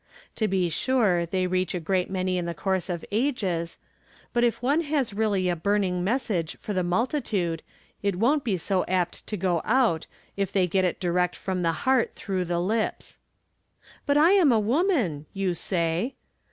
To be sure they reach a great many in the course of ages. But if one has really a burn ing message for the multitude it won't be so apt S2 From Different Standpoints. to go out if they get it direct from the heart through the lips. " But I'm a woman," you say.